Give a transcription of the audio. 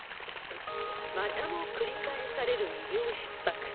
またも繰り返される医療ひっ迫。